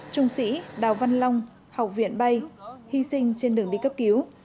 trung sĩ đào văn long học viện bay hy sinh trên đường đi cấp cứu